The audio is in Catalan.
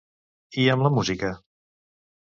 I amb la música?